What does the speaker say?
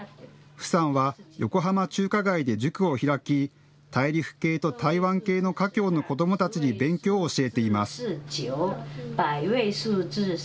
符さんは横浜中華街で塾を開き大陸系と台湾系の華僑の子どもたちに勉強を教えています。